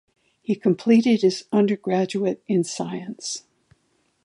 He completed his undergraduate in science.